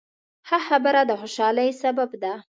ښه خبره د خوشحالۍ سبب ده.